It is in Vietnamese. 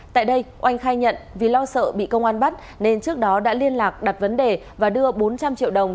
tại đây oanh khai nhận vì lo sợ bị công an bắt nên trước đó đã liên lạc đặt vấn đề và đưa bốn trăm linh triệu đồng